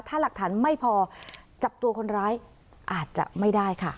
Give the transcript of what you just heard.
ถ้าหลักฐานไม่พอจับตัวคนร้ายอาจจะไม่ได้ค่ะ